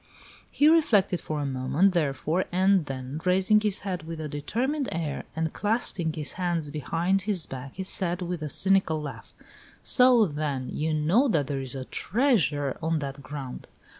He reflected for a moment, therefore, and then raising his head with a determined air, and clasping his hands behind his back, he said, with a cynical laugh: "So, then, you know that there is a TREASURE on that ground!"